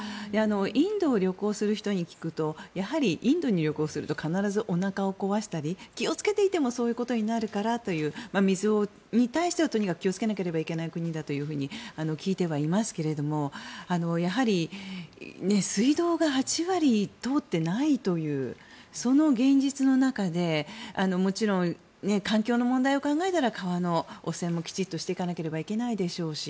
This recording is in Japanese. インドを旅行する人に聞くとやはりインドに旅行すると必ずおなかを壊したり気をつけていてもそういうことになるからという水に対してはとにかく気をつけなければいけない国だとは聞いてはいますけれども水道が８割通ってないというその現実の中でもちろん環境の問題を考えたら川の汚染もきちんとしていかなければいけないでしょうし